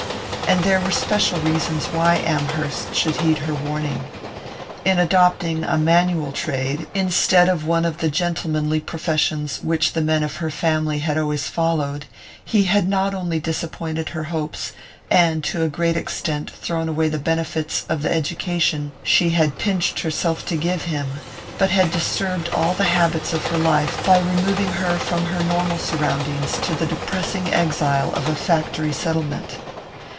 And there were special reasons why Amherst should heed her warning. In adopting a manual trade, instead of one of the gentlemanly professions which the men of her family had always followed, he had not only disappointed her hopes, and to a great extent thrown away the benefits of the education she had pinched herself to give him, but had disturbed all the habits of her life by removing her from her normal surroundings to the depressing exile of a factory settlement.